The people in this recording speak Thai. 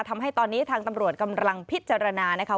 ทำให้ตอนนี้ทางตำรวจกำลังพิจารณานะคะ